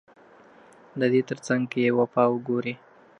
ددې ترڅنګ که يې وفا وګورې